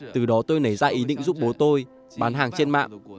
từ đó tôi nảy ra ý định giúp bố tôi bán hàng trên mạng